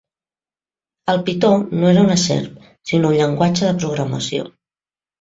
El pitó no era una serp, sinó un llenguatge de programació.